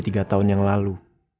tiga tahun yang lalu